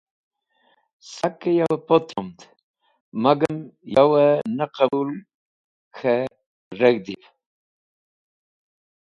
Sakẽ yavẽ potromẽd magam yavẽ ne qẽbũl k̃hẽ reg̃hdiv.